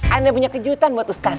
anne punya kejutan